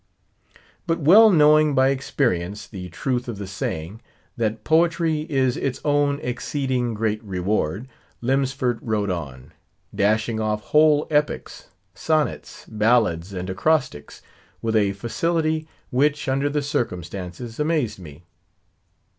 But well knowing by experience the truth of the saying, that poetry is its own exceeding great reward, Lemsford wrote on; dashing off whole epics, sonnets, ballads, and acrostics, with a facility which, under the circumstances, amazed me.